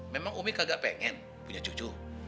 memang umi kagak pengen punya cucu